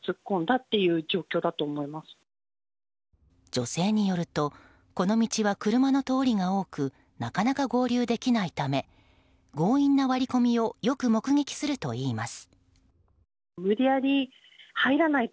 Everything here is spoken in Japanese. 女性によるとこの道は車の通りが多くなかなか合流できないため強引な割り込みをよく目撃するといいます。